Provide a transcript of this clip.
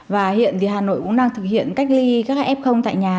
và hiện thì hà nội cũng đang thực hiện cách ly các f tại nhà